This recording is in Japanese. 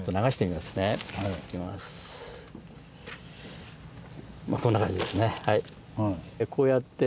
まあこんな感じですね。